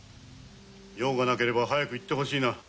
用がなければ早く行ってほしいな。